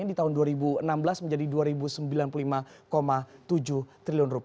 di tahun dua ribu enam belas menjadi rp dua sembilan puluh lima tujuh triliun